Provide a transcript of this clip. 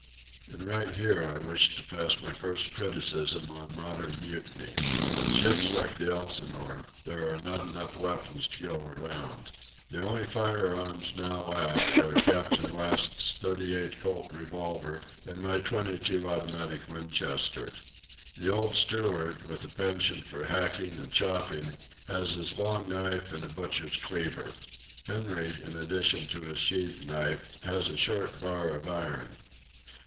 And right here I wish to pass my first criticism on modern mutiny. On ships like the Elsinore there are not enough weapons to go around. The only firearms now aft are Captain West's .38 Colt revolver, and my .22 automatic Winchester. The old steward, with a penchant for hacking and chopping, has his long knife and a butcher's cleaver. Henry, in addition to his sheath knife, has a short bar of iron.